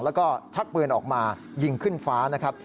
แล้วก็ชักปืนออกมายิงขึ้นฟ้านะครับ